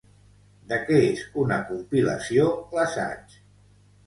De què és una compilació, l'assaig?